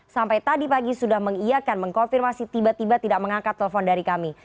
sampai tadi pagi sudah mengiakan mengkonfirmasi tiba tiba tidak mengangkat telepon dari kami